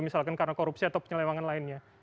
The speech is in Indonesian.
misalkan karena korupsi atau penyelewangan lainnya